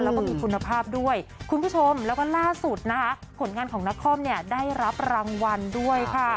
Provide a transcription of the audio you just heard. แล้วก็มีคุณภาพด้วยคุณผู้ชมแล้วก็ล่าสุดนะคะผลงานของนครเนี่ยได้รับรางวัลด้วยค่ะ